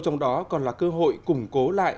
trong đó còn là cơ hội củng cố lại